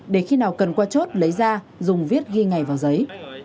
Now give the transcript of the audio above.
để khi nào cần qua chốt lấy ra dùng viết ghi ngày vào giấy